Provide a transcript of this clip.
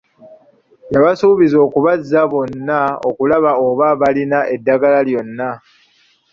Yabasuubiza okubaaza bonna okulaba oba balina eddagala lyonna.